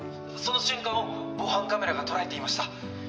「その瞬間を防犯カメラが捉えていました」